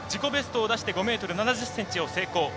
自己ベストを出して５ｍ７０ｃｍを成功。